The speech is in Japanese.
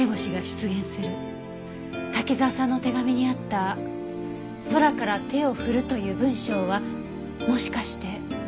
滝沢さんの手紙にあった「空から手を振る」という文章はもしかして。